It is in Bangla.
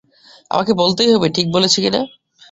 আমাকে বলতেই হবে, ঠিক বলেছি কি না।